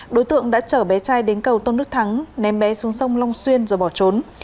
đối tượng đã chở bé trai đến cầu tôn đức thắng ném bé xuống sông long xuyên rồi bỏ trốn